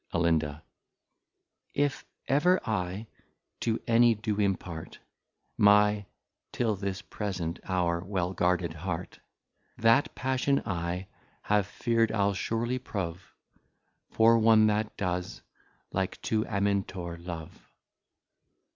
Alin. If ever I to any do impart, My, till this present hour, well guarded Heart, That Passion I have fear'd, I'le surely prove, For one that does, like to Amintor love.